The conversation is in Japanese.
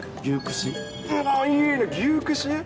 牛串？